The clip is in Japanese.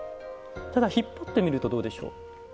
ただ引っ張ってみるとどうでしょう？